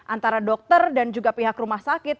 antara dokter dan juga pihak rumah sakit